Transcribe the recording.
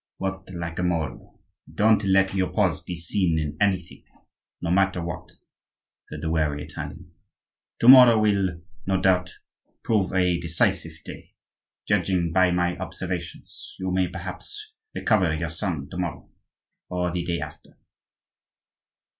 "Work like a mole, but don't let your paws be seen in anything, no matter what," said the wary Italian. "To morrow will, no doubt, prove a decisive day. Judging by my observations, you may, perhaps, recover your son to morrow, or the day after."